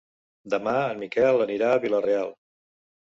Demà en Miquel anirà a Vila-real.